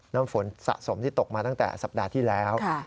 น้ำฝนสะสมที่ตกมาตั้งแต่สัปดาห์ที่แล้ว